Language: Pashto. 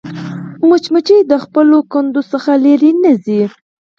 مچمچۍ د خپل کندو څخه لیرې نه ځي